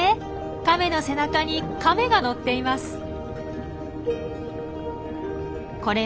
カメの背中にカメが乗っています。